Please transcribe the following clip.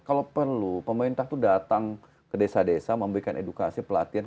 kalau perlu pemerintah itu datang ke desa desa memberikan edukasi pelatihan